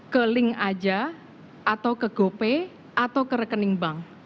ke link aja atau ke gopay atau ke rekening bank